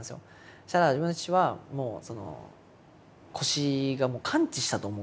そうしたら自分の父はもう腰が完治したと思ってて。